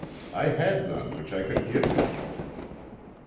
I had none which I could give him."